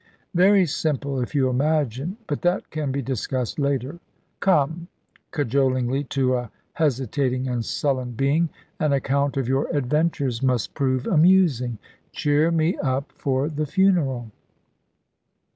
"Very simple, if you imagine but that can be discussed later. Come," cajolingly to a hesitating and sullen being, "an account of your adventures must prove amusing. Cheer me up for the funeral."